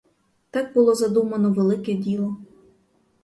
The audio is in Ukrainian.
Так було задумано велике діло.